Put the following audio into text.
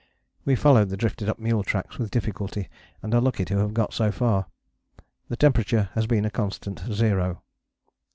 We followed the drifted up mule tracks with difficulty and are lucky to have got so far. The temperature has been a constant zero.